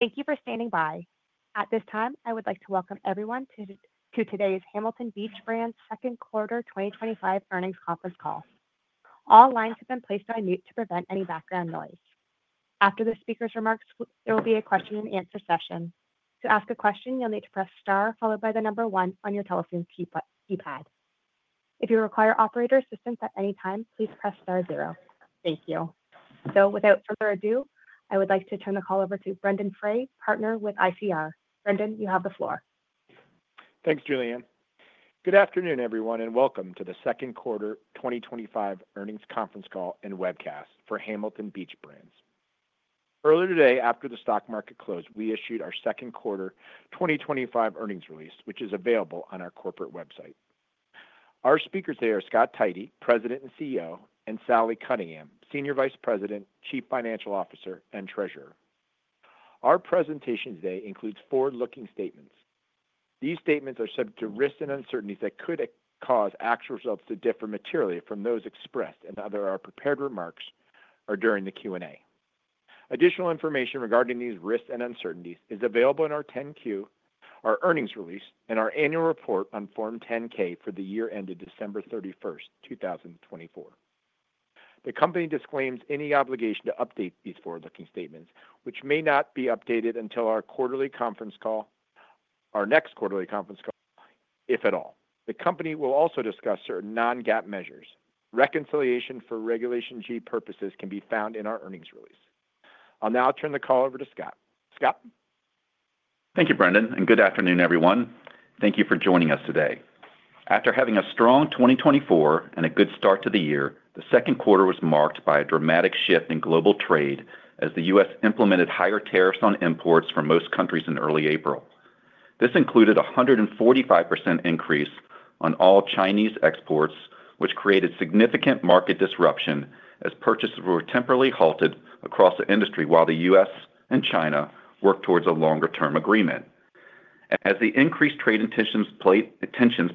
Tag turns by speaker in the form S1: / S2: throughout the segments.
S1: Thank you for standing by. At this time, I would like to welcome everyone to today's Hamilton Beach Brands second quarter 2025 earnings conference call. All lines have been placed on mute to prevent any background noise. After the speaker's remarks, there will be a question and answer session. To ask a question, you'll need to press star followed by the number one on your telephone keypad. If you require operator assistance at any time, please press star zero. Thank you. Without further ado, I would like to turn the call over to Brendan Frey, Partner with ICR. Brendan, you have the floor.
S2: Thanks, Julianne. Good afternoon, everyone, and welcome to the second quarter 2025 earnings conference call and webcast for Hamilton Beach Brands. Earlier today, after the stock market closed, we issued our second quarter 2025 earnings release, which is available on our corporate website. Our speakers today are Scott Tidey, President and CEO, and Sally Cunningham, Senior Vice President, Chief Financial Officer, and Treasurer. Our presentation today includes forward-looking statements. These statements are subject to risks and uncertainties that could cause actual results to differ materially from those expressed, and other prepared remarks are during the Q&A. Additional information regarding these risks and uncertainties is available in our 10-Q, our earnings release, and our annual report on Form 10-K for the year ended December 31st, 2024. The company disclaims any obligation to update these forward-looking statements, which may not be updated until our next quarterly conference call, if at all. The company will also discuss certain non-GAAP measures. Reconciliation for Regulation G purposes can be found in our earnings release. I'll now turn the call over to Scott. Scott?
S3: Thank you, Brendan, and good afternoon, everyone. Thank you for joining us today. After having a strong 2024 and a good start to the year, the second quarter was marked by a dramatic shift in global trade as the U.S. implemented higher tariffs on imports from most countries in early April. This included a 145% increase on all Chinese exports, which created significant market disruption as purchases were temporarily halted across the industry while the U.S. and China worked towards a longer-term agreement. As the increased trade tensions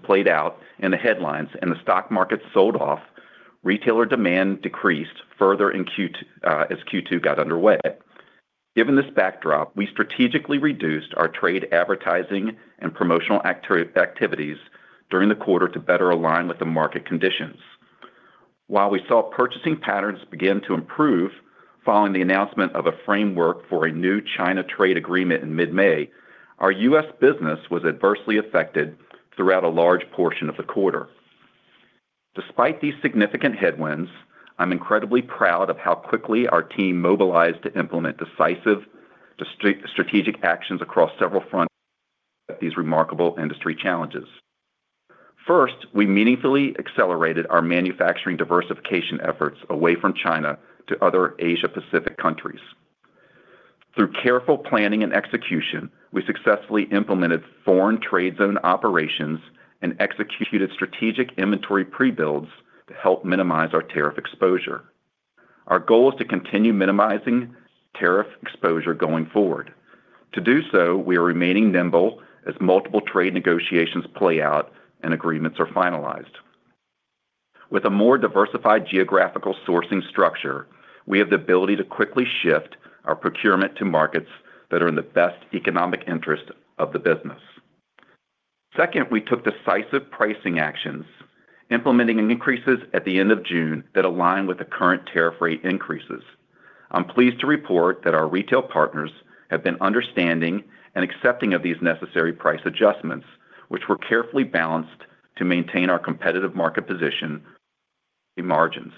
S3: played out in the headlines and the stock market sold off, retailer demand decreased further as Q2 got underway. Given this backdrop, we strategically reduced our trade advertising and promotional activities during the quarter to better align with the market conditions. While we saw purchasing patterns begin to improve following the announcement of a framework for a new China trade agreement in mid-May, our U.S. business was adversely affected throughout a large portion of the quarter. Despite these significant headwinds, I'm incredibly proud of how quickly our team mobilized to implement decisive strategic actions across several fronts of these remarkable industry challenges. First, we meaningfully accelerated our manufacturing diversification efforts away from China to other Asia-Pacific countries. Through careful planning and execution, we successfully implemented Foreign Trade Zone operations and executed strategic inventory pre-builds to help minimize our tariff exposure. Our goal is to continue minimizing tariff exposure going forward. To do so, we are remaining nimble as multiple trade negotiations play out and agreements are finalized. With a more diversified geographical sourcing structure, we have the ability to quickly shift our procurement to markets that are in the best economic interest of the business. Second, we took decisive pricing actions, implementing increases at the end of June that align with the current tariff rate increases. I'm pleased to report that our retail partners have been understanding and accepting of these necessary price adjustments, which were carefully balanced to maintain our competitive market position and margins.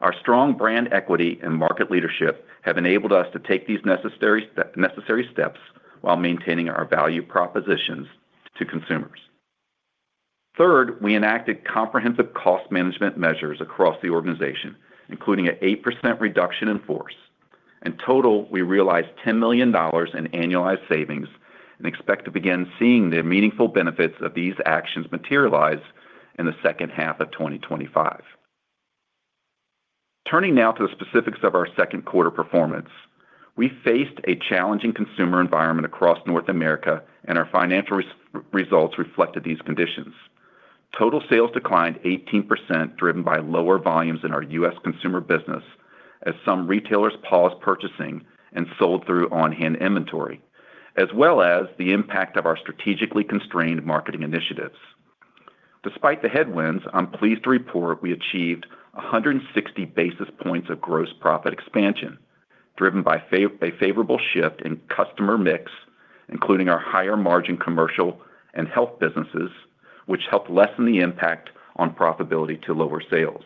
S3: Our strong brand equity and market leadership have enabled us to take these necessary steps while maintaining our value propositions to consumers. Third, we enacted comprehensive cost management measures across the organization, including an 8% reduction in force. In total, we realized $10 million in annualized savings and expect to begin seeing the meaningful benefits of these actions materialize in the second half of 2025. Turning now to the specifics of our second quarter performance, we faced a challenging consumer environment across North America, and our financial results reflected these conditions. Total sales declined 18%, driven by lower volumes in our U.S. consumer business as some retailers paused purchasing and sold through on-hand inventory, as well as the impact of our strategically constrained marketing initiatives. Despite the headwinds, I'm pleased to report we achieved 160 basis points of gross profit expansion, driven by a favorable shift in customer mix, including our higher margin commercial and health businesses, which helped lessen the impact on profitability to lower sales.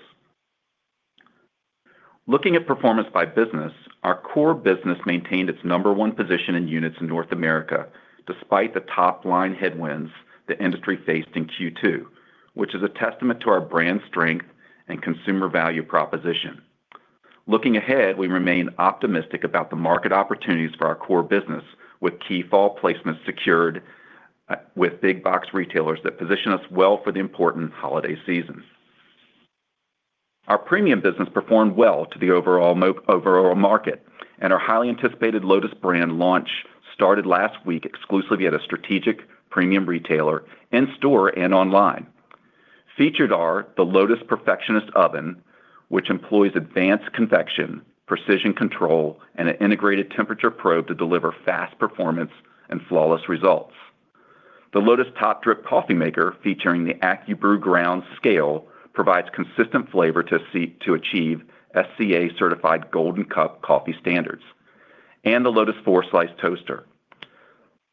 S3: Looking at performance by business, our core business maintained its number one position in units in North America, despite the top line headwinds the industry faced in Q2, which is a testament to our brand strength and consumer value proposition. Looking ahead, we remain optimistic about the market opportunities for our core business, with key fall placements secured with big box retailers that position us well for the important holiday season. Our premium business performed well to the overall market, and our highly anticipated Lotus brand launch started last week exclusively at a strategic premium retailer, in-store and online. Featured are the Lotus Perfectionist Oven, which employs advanced convection, precision control, and an integrated temperature probe to deliver fast performance and flawless results. The Lotus Top Drip Coffee Maker, featuring the AccuBrew Ground Scale, provides consistent flavor to achieve SCA certified Golden Cup coffee standards, and the Lotus Four Slice Toaster.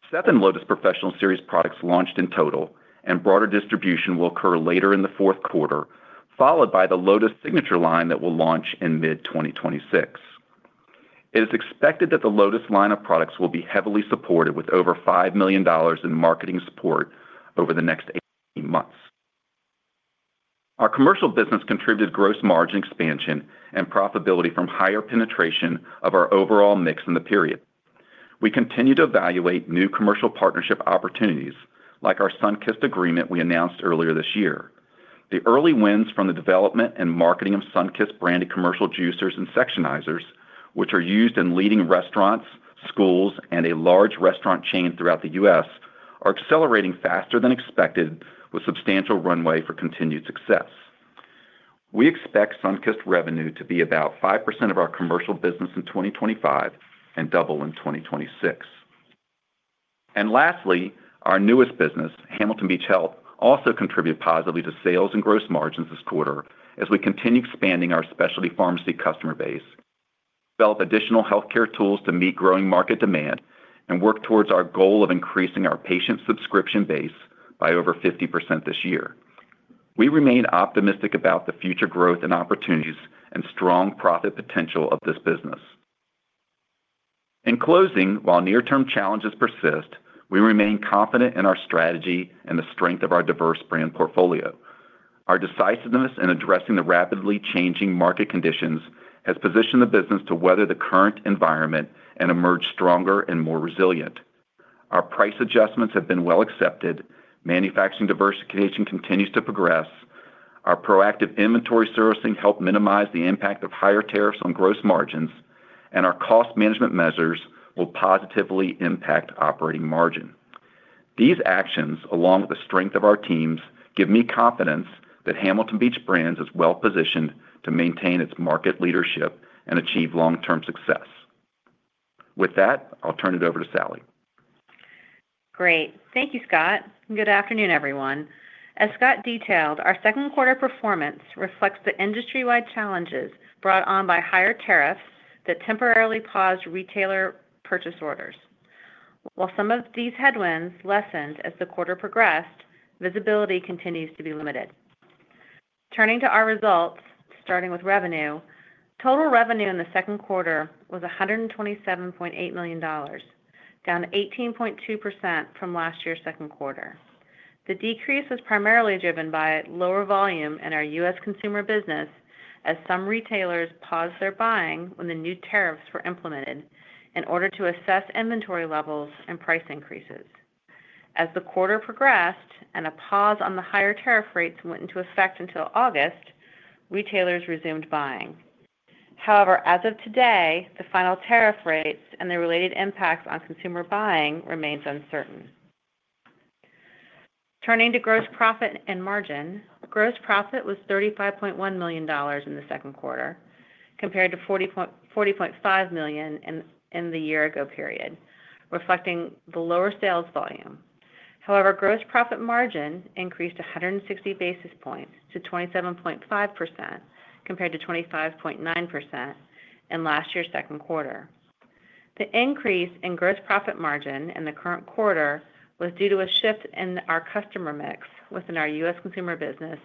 S3: Seven Lotus Professional Series products launched in total, and broader distribution will occur later in the fourth quarter, followed by the Lotus Signature line that will launch in mid-2026. It is expected that the Lotus line of products will be heavily supported with over $5 million in marketing support over the next 18 months. Our commercial business contributed gross margin expansion and profitability from higher penetration of our overall mix in the period. We continue to evaluate new commercial partnership opportunities, like our Sunkist agreement we announced earlier this year. The early wins from the development and marketing of Sunkist-branded commercial juicers and sectionizers, which are used in leading restaurants, schools, and a large restaurant chain throughout the U.S., are accelerating faster than expected, with substantial runway for continued success. We expect Sunkist revenue to be about 5% of our commercial business in 2025 and double in 2026. Lastly, our newest business, Hamilton Beach Health, also contributed positively to sales and gross margins this quarter as we continue expanding our specialty pharmacy customer base, develop additional healthcare tools to meet growing market demand, and work towards our goal of increasing our patient subscription base by over 50% this year. We remain optimistic about the future growth and opportunities and strong profit potential of this business. In closing, while near-term challenges persist, we remain confident in our strategy and the strength of our diverse brand portfolio. Our decisiveness in addressing the rapidly changing market conditions has positioned the business to weather the current environment and emerge stronger and more resilient. Our price adjustments have been well accepted, and manufacturing diversification continues to progress. Our proactive inventory servicing helped minimize the impact of higher tariffs on gross margins, and our cost management measures will positively impact operating margin. These actions, along with the strength of our teams, give me confidence that Hamilton Beach Brands is well positioned to maintain its market leadership and achieve long-term success. With that, I'll turn it over to Sally.
S4: Great. Thank you, Scott. Good afternoon, everyone. As Scott detailed, our second quarter performance reflects the industry-wide challenges brought on by higher tariffs that temporarily paused retailer purchase orders. While some of these headwinds lessened as the quarter progressed, visibility continues to be limited. Turning to our results, starting with revenue, total revenue in the second quarter was $127.8 million, down 18.2% from last year's second quarter. The decrease was primarily driven by lower volume in our U.S. consumer business, as some retailers paused their buying when the new tariffs were implemented in order to assess inventory levels and price increases. As the quarter progressed and a pause on the higher tariff rates went into effect until August, retailers resumed buying. However, as of today, the final tariff rates and their related impact on consumer buying remain uncertain. Turning to gross profit and margin, gross profit was $35.1 million in the second quarter, compared to $40.5 million in the year-ago period, reflecting the lower sales volume. However, gross profit margin increased 160 basis points to 27.5%, compared to 25.9% in last year's second quarter. The increase in gross profit margin in the current quarter was due to a shift in our customer mix within our U.S. consumer business,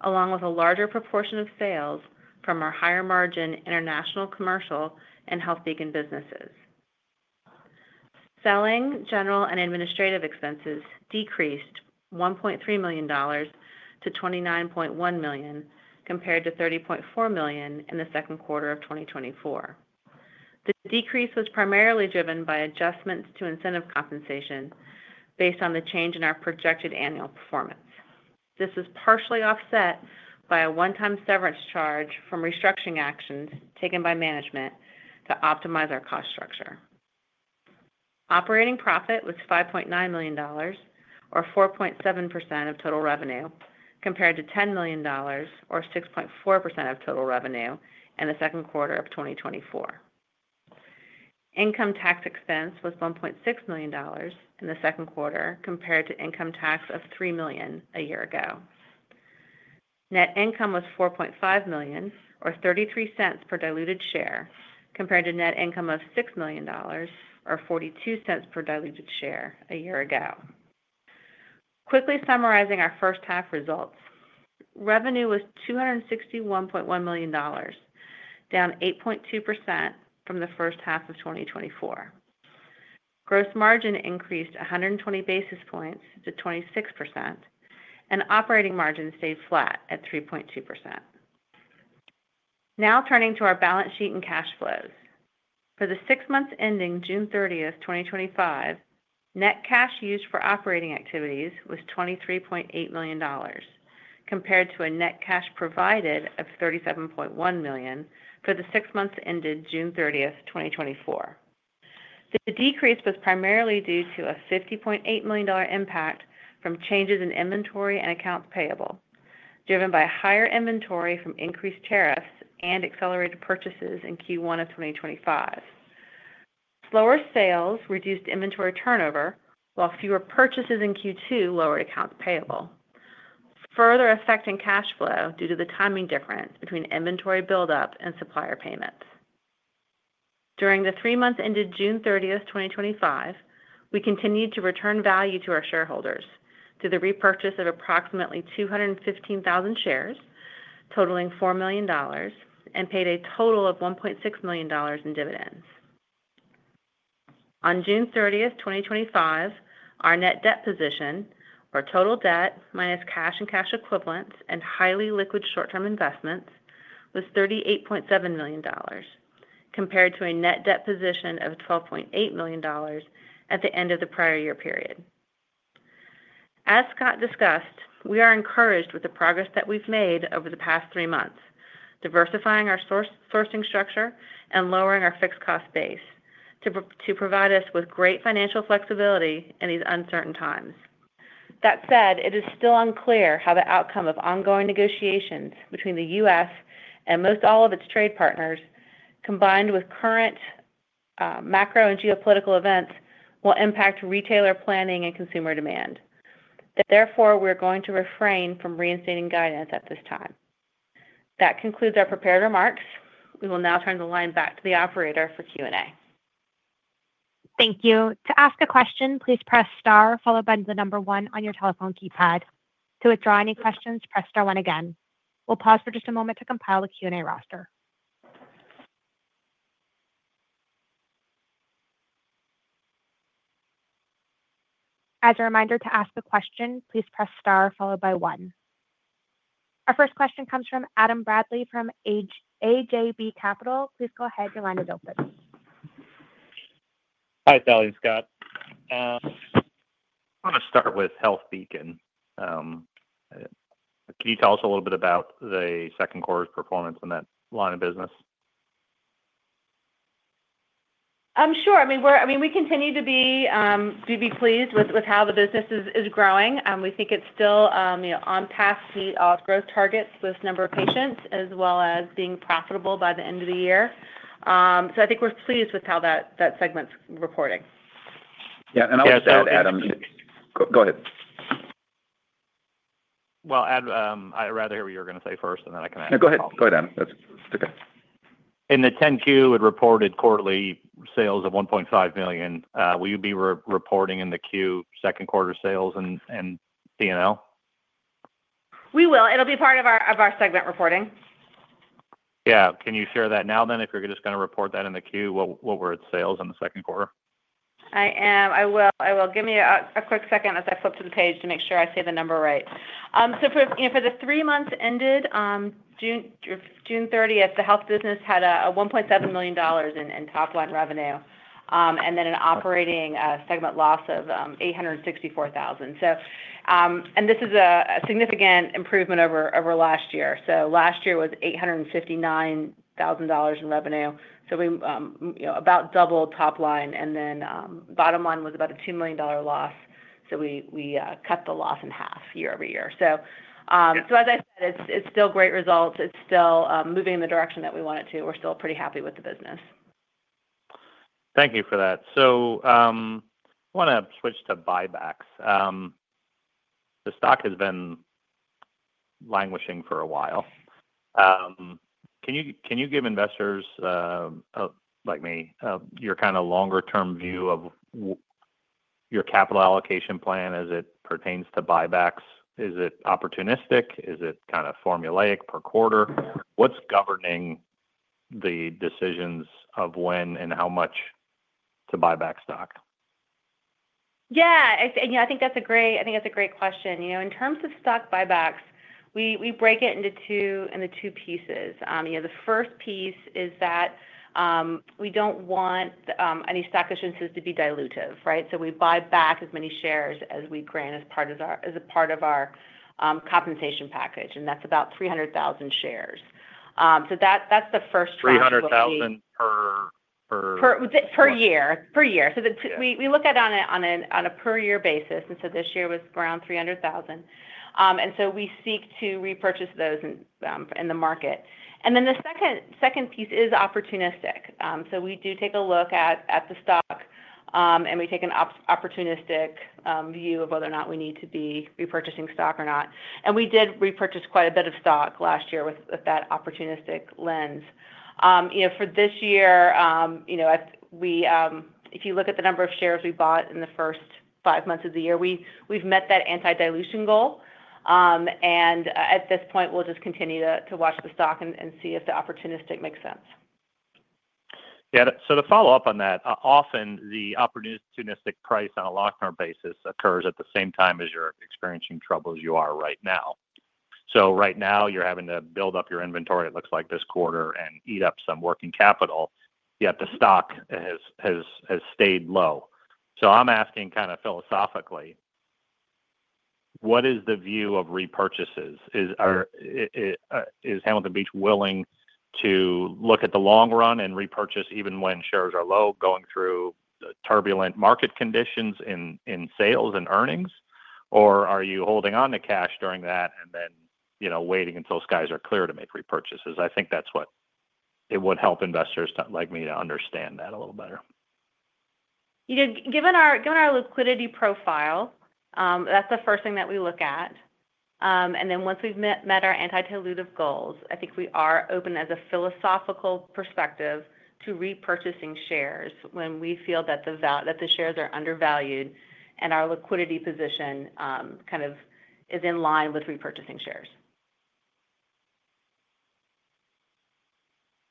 S4: along with a larger proportion of sales from our higher margin international commercial and HealthBeacon businesses. Selling, general and administrative expenses decreased $1.3 million to $29.1 million, compared to $30.4 million in the second quarter of 2024. The decrease was primarily driven by adjustments to incentive compensation based on the change in our projected annual performance. This is partially offset by a one-time severance charge from restructuring actions taken by management to optimize our cost structure. Operating profit was $5.9 million, or 4.7% of total revenue, compared to $10 million, or 6.4% of total revenue in the second quarter of 2024. Income tax expense was $1.6 million in the second quarter, compared to income tax of $3 million a year ago. Net income was $4.5 million, or $0.33 per diluted share, compared to net income of $6 million, or $0.42 per diluted share a year ago. Quickly summarizing our first half results, revenue was $261.1 million, down 8.2% from the first half of 2024. Gross margin increased 120 basis points to 26%, and operating margin stayed flat at 3.2%. Now turning to our balance sheet and cash flows. For the six months ending June 30, 2025, net cash used for operating activities was $23.8 million, compared to net cash provided of $37.1 million for the six months ended June 30, 2024. The decrease was primarily due to a $50.8 million impact from changes in inventory and accounts payable, driven by higher inventory from increased tariffs and accelerated purchases in Q1 2025. Slower sales reduced inventory turnover, while fewer purchases in Q2 lowered accounts payable, further affecting cash flow due to the timing difference between inventory buildup and supplier payments. During the three months ended June 30, 2025, we continued to return value to our shareholders through the repurchase of approximately 215,000 shares, totaling $4 million, and paid a total of $1.6 million in dividends. On June 30, 2025, our net debt position, or total debt minus cash and cash equivalents and highly liquid short-term investments, was $38.7 million, compared to a net debt position of $12.8 million at the end of the prior year period. As Scott discussed, we are encouraged with the progress that we've made over the past three months, diversifying our sourcing structure and lowering our fixed cost base to provide us with great financial flexibility in these uncertain times. That said, it is still unclear how the outcome of ongoing negotiations between the U.S. and most all of its trade partners, combined with current macro and geopolitical events, will impact retailer planning and consumer demand. Therefore, we're going to refrain from reinstating guidance at this time. That concludes our prepared remarks. We will now turn the line back to the operator for Q&A.
S1: Thank you. To ask a question, please press star followed by the number one on your telephone keypad. To withdraw any questions, press star one again. We'll pause for just a moment to compile the Q&A roster. As a reminder, to ask a question, please press star followed by one. Our first question comes from Adam Bradley from AJB Capital. Please go ahead. Your line is open.
S5: Hi, Sally and Scott. I want to start with HealthBeacon. Can you tell us a little bit about the second quarter's performance in that line of business?
S4: Sure. We continue to be pleased with how the business is growing. We think it's still on path to see all growth targets with a number of patients, as well as being profitable by the end of the year. I think we're pleased with how that segment's reporting.
S5: I'll add that.
S3: Go ahead.
S5: Adam, I'd rather hear what you were going to say first, and then I can answer the call.
S3: No, go ahead. Go ahead, Adam. That's okay.
S5: In the 10-Q, it reported quarterly sales of $1.5 million. Will you be reporting in the Q2 second quarter sales and P&L?
S4: It'll be part of our segment reporting.
S5: Yeah, can you share that now, then, if you're just going to report that in the Q? What were its sales in the second quarter?
S4: Give me a quick second as I flip to the page to make sure I say the number right. For the three months ended June 30, the health business had $1.7 million in top line revenue, and an operating segment loss of $864,000. This is a significant improvement over last year. Last year was $859,000 in revenue, so we about doubled top line, and bottom line was about a $2 million loss. We cut the loss in half year -over-year. As I said, it's still great results. It's still moving in the direction that we want it to, and we're still pretty happy with the business.
S5: Thank you for that. I want to switch to buybacks. The stock has been languishing for a while. Can you give investors like me your kind of longer-term view of your capital allocation plan as it pertains to buybacks? Is it opportunistic? Is it kind of formulaic per quarter? What's governing the decisions of when and how much to buy back stock?
S4: I think that's a great question. In terms of stock buybacks, we break it into two pieces. The first piece is that we don't want any stock issuances to be dilutive, right? We buy back as many shares as we grant as part of our compensation package, and that's about 300,000 shares. That's the first draft.
S5: 300,000 per?
S4: Per year. We look at it on a per-year basis. This year was around 300,000. We seek to repurchase those in the market. The second piece is opportunistic. We do take a look at the stock, and we take an opportunistic view of whether or not we need to be repurchasing stock or not. We did repurchase quite a bit of stock last year with that opportunistic lens. For this year, if you look at the number of shares we bought in the first five months of the year, we've met that anti-dilution goal. At this point, we'll just continue to watch the stock and see if the opportunistic makes sense.
S5: Yeah, to follow up on that, often the opportunistic price on a long-term basis occurs at the same time as you're experiencing trouble as you are right now. Right now, you're having to build up your inventory, it looks like this quarter, and eat up some working capital, yet the stock has stayed low. I'm asking kind of philosophically, what is the view of repurchases? Is Hamilton Beach willing to look at the long run and repurchase even when shares are low, going through the turbulent market conditions in sales and earnings? Are you holding on to cash during that and then waiting until skies are clear to make repurchases? I think that's what would help investors like me to understand that a little better, you know.
S4: Given our liquidity profile, that's the first thing that we look at. Once we've met our anti-dilutive goals, I think we are open as a philosophical perspective to repurchasing shares when we feel that the shares are undervalued and our liquidity position is in line with repurchasing shares.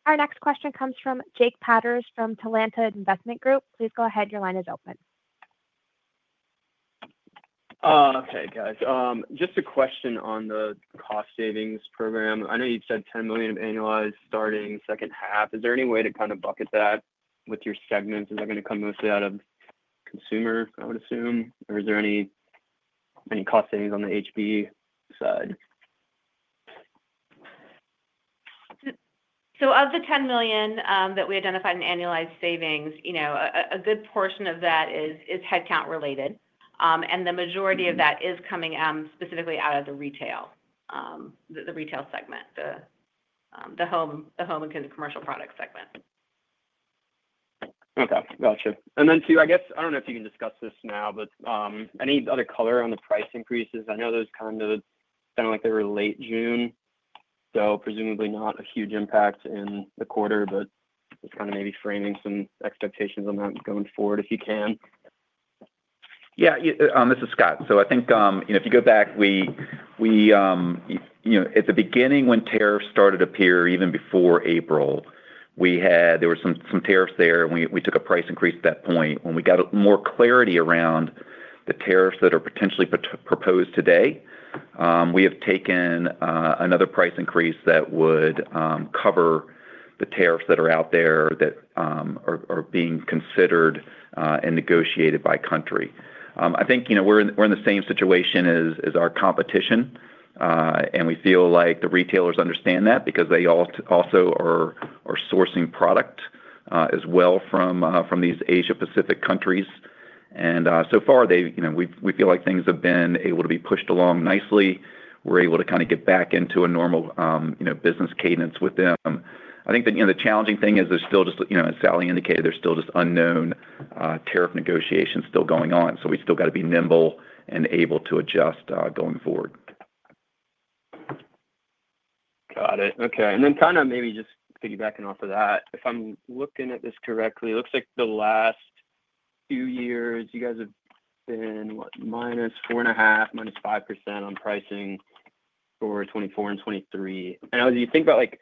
S1: Our next question comes from Jake Patterson from Talanta Investment Group. Please go ahead. Your line is open.
S6: Okay, guys. Just a question on the cost savings program. I know you've said $10 million of annualized starting second half. Is there any way to kind of bucket that with your segments? Is that going to come mostly out of consumer, I would assume? Is there any cost savings on the HB side?
S4: Of the $10 million that we identified in annualized savings, a good portion of that is headcount related, and the majority of that is coming specifically out of the retail segment, the home and commercial products segment.
S6: Okay. Gotcha. I guess I don't know if you can discuss this now, but any other color on the price increases? I know those kind of sound like they were late June, so presumably not a huge impact in the quarter, but kind of maybe framing some expectations on that going forward if you can.
S3: Yeah. This is Scott. I think, you know, if you go back, at the beginning when tariffs started to appear, even before April, there were some tariffs there, and we took a price increase at that point. When we got more clarity around the tariffs that are potentially proposed today, we have taken another price increase that would cover the tariffs that are out there that are being considered and negotiated by country. I think, you know, we're in the same situation as our competition, and we feel like the retailers understand that because they also are sourcing product as well from these Asia-Pacific countries. So far, we feel like things have been able to be pushed along nicely. We're able to kind of get back into a normal business cadence with them. I think the challenging thing is there's still just, as Sally indicated, there's still just unknown tariff negotiations still going on. We still got to be nimble and able to adjust going forward.
S6: Got it. Okay. Maybe just piggybacking off of that, if I'm looking at this correctly, it looks like the last two years, you guys have been -4.5%, -5% on pricing for 2024 and 2023. As you think about it,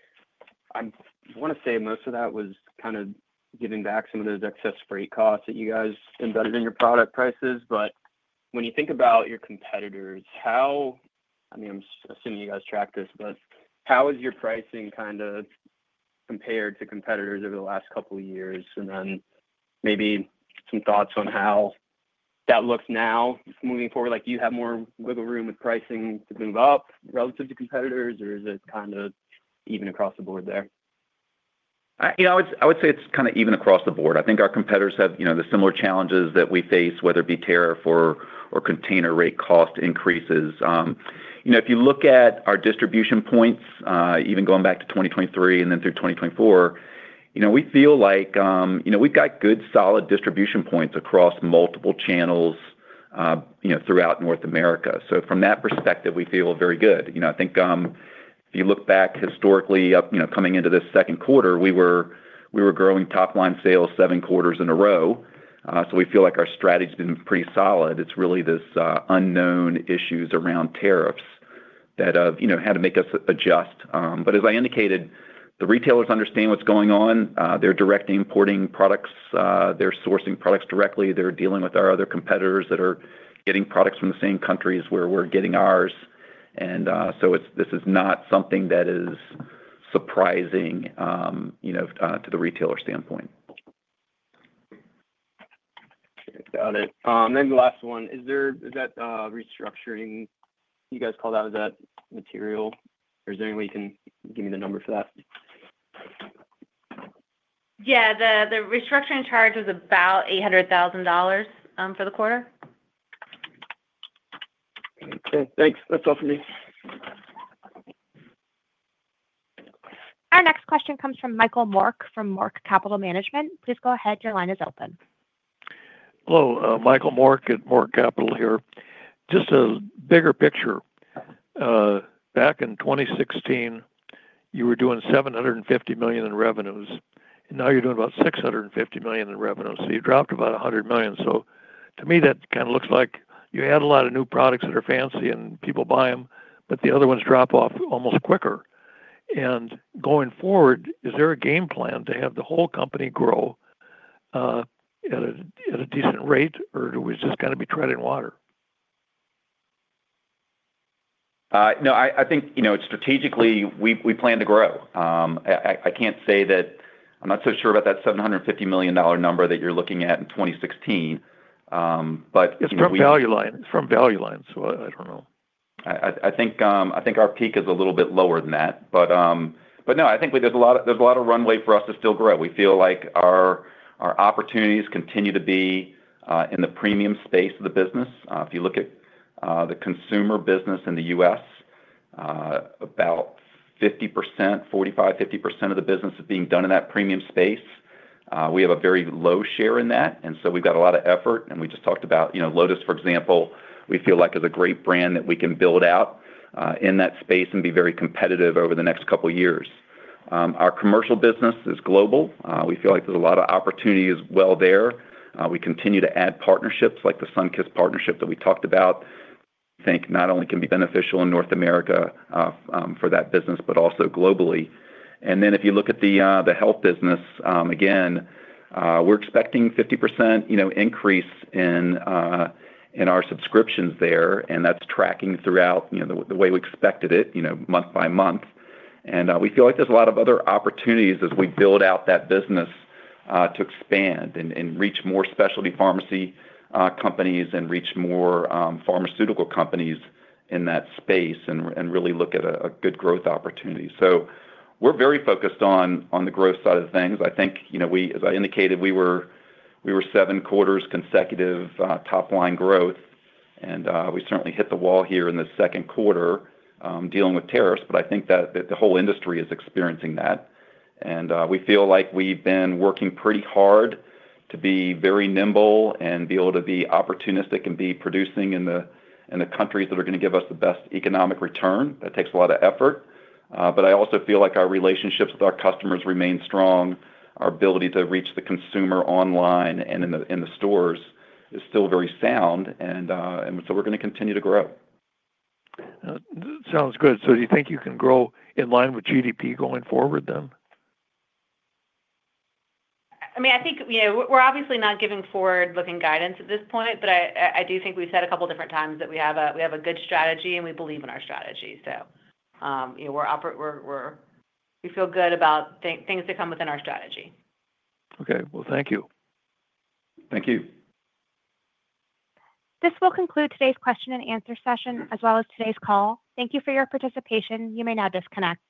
S6: I want to say most of that was kind of getting back some of those excess freight costs that you guys embedded in your product prices. When you think about your competitors, I mean, I'm assuming you guys track this, but how is your pricing compared to competitors over the last couple of years? Maybe some thoughts on how that looks now moving forward. Do you have more wiggle room with pricing to move up relative to competitors, or is it kind of even across the board there?
S3: I would say it's kind of even across the board. I think our competitors have the similar challenges that we face, whether it be tariff or container rate cost increases. If you look at our distribution points, even going back to 2023 and then through 2024, we feel like we've got good solid distribution points across multiple channels throughout North America. From that perspective, we feel very good. I think if you look back historically, coming into this second quarter, we were growing top line sales seven quarters in a row. We feel like our strategy has been pretty solid. It's really this unknown issues around tariffs that have had to make us adjust. As I indicated, the retailers understand what's going on. They're directly importing products. They're sourcing products directly. They're dealing with our other competitors that are getting products from the same countries where we're getting ours. This is not something that is surprising to the retailer standpoint.
S6: Got it. The last one, is that restructuring you guys called out, is that material? Is there any way you can give me the number for that?
S4: Yeah, the restructuring charge was about $800,000 for the quarter.
S6: Thanks. That's all for me.
S1: Our next question comes from Michael Paul Mork from Mork Capital Management. Please go ahead. Your line is open.
S7: Hello. Michael Paul Mork at Mork Capital here. Just a bigger picture. Back in 2016, you were doing $750 million in revenues, and now you're doing about $650 million in revenue. You dropped about $100 million. To me, that kind of looks like you add a lot of new products that are fancy and people buy them, but the other ones drop off almost quicker. Going forward, is there a game plan to have the whole company grow at a decent rate, or do we just kind of be treading water?
S3: No, I think strategically, we plan to grow. I can't say that I'm not so sure about that $750 million number that you're looking at in 2016.
S7: It's from Value Line, so I don't know.
S3: I think our peak is a little bit lower than that. No, I think there's a lot of runway for us to still grow. We feel like our opportunities continue to be in the premium space of the business. If you look at the consumer business in the U.S., about 50%, 45%, 50% of the business is being done in that premium space. We have a very low share in that, and so we've got a lot of effort. We just talked about, you know, Lotus, for example. We feel like it is a great brand that we can build out in that space and be very competitive over the next couple of years. Our commercial business is global. We feel like there's a lot of opportunity as well there. We continue to add partnerships, like the Sunkist partnership that we talked about. I think it not only can be beneficial in North America for that business, but also globally. If you look at the health business, again, we're expecting a 50% increase in our subscriptions there, and that's tracking throughout the way we expected it, month by month. We feel like there's a lot of other opportunities as we build out that business to expand and reach more specialty pharmacy companies and reach more pharmaceutical companies in that space and really look at a good growth opportunity. We're very focused on the growth side of things. I think, as I indicated, we were seven quarters consecutive top line growth. We certainly hit the wall here in the second quarter dealing with tariffs. I think that the whole industry is experiencing that. We feel like we've been working pretty hard to be very nimble and be able to be opportunistic and be producing in the countries that are going to give us the best economic return. That takes a lot of effort. I also feel like our relationships with our customers remain strong. Our ability to reach the consumer online and in the stores is still very sound, and we're going to continue to grow.
S7: Do you think you can grow in line with GDP going forward, then?
S4: I think we're obviously not giving forward-looking guidance at this point, but I do think we've said a couple of different times that we have a good strategy and we believe in our strategy. We feel good about things that come within our strategy.
S7: Okay. Thank you.
S5: Thank you.
S1: This will conclude today's question and answer session, as well as today's call. Thank you for your participation. You may now disconnect.